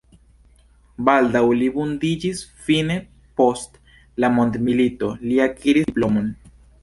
Baldaŭ li vundiĝis, fine post la mondomilito li akiris diplomon.